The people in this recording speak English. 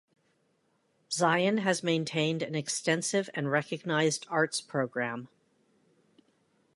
Zion has maintained an extensive and recognized arts program.